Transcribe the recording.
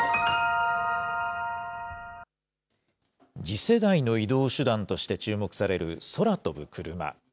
次世代の移動手段として注目される空飛ぶクルマ。